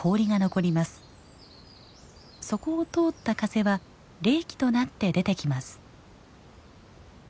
そこを通った風は冷気となって出てきます。